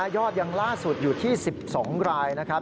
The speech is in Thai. ยอดยังล่าสุดอยู่ที่๑๒รายนะครับ